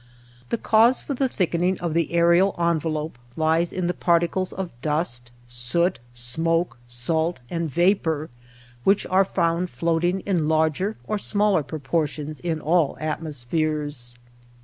The cause for the thickening of the aerial envelope lies in the particles of dust, soot, smoke, salt, and vapor which are found floating in larger or smaller proportions in all atmospheres.